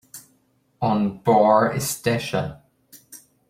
An beár is deise.